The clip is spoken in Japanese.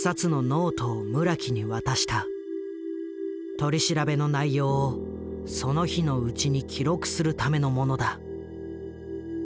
取り調べの内容をその日のうちに記録するためのものだ。